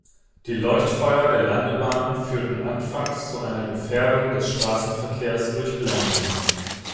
Die Leuchtfeuer der Landebahn führten anfangs zu einer Gefährdung des Straßenverkehrs durch Blendung.